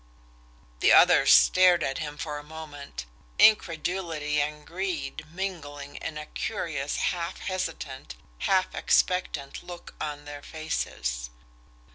The others stared at him for a moment, incredulity and greed mingling in a curious half hesitant, half expectant look on their faces.